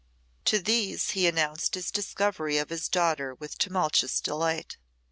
To these he announced his discovery of his daughter with tumultuous delight.